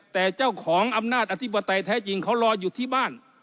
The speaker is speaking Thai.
แต่เจ้าของอำนาจอธิปไตยแท้จริงเขารออยู่ที่บ้าน